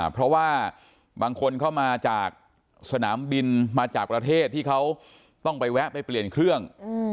เพราะว่าบางคนเข้ามาจากสนามบินมาจากประเทศที่เขาต้องไปแวะไปเปลี่ยนเครื่อง